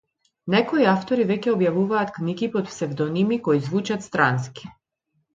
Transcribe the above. Некои автори веќе објавуваат книги под псевдоними кои звучат странски.